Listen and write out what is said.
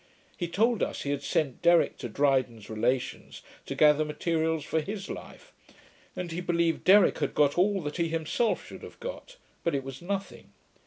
He told us, he had sent Derrick to Dryden's relations, to gather materials for his Life; and he believed Derrick had got all that he himself should have got; but it was nothing.